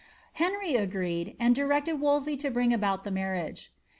Henry agreed, and directed Wolsey to bring about the marriage.